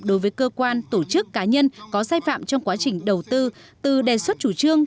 đối với cơ quan tổ chức cá nhân có sai phạm trong quá trình đầu tư từ đề xuất chủ trương